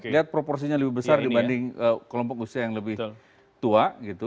lihat proporsinya lebih besar dibanding kelompok usia yang lebih tua gitu